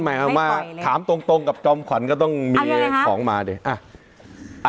ไม่ปล่อยเลยมาถามตรงตรงกับจอมขวัญก็ต้องมีอะไรของมาด้วยอ่า